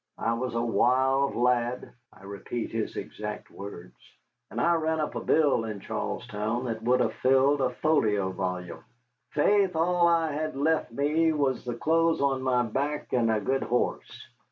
I was a wild lad" (I repeat his exact words), "and I ran up a bill in Charlestown that would have filled a folio volume. Faith, all I had left me was the clothes on my back and a good horse.